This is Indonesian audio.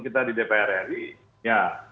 kita di dpr ri ya